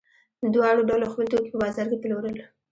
دواړو ډلو خپل توکي په بازار کې پلورل.